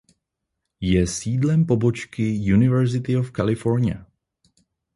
Je sídlem pobočky University of California.